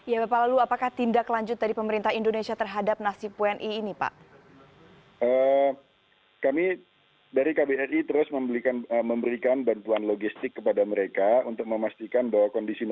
ya pak lalu apakah tindak lanjut dari pemerintah indonesia terhadap nasib polis